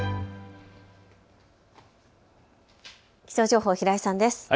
気象情報、平井さんです。